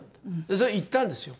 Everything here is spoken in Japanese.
それ行ったんですよ。